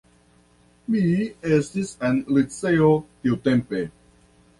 Mi estis en liceo tiutempe.